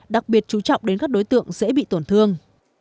đặc biệt chú trọng đến các đối tượng dễ bị tổn thương